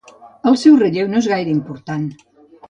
El seu relleu no és gaire important.